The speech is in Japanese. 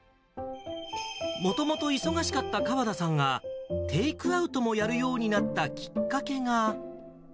もともと忙しかった川田さんが、テイクアウトもやるようになったきっかけが。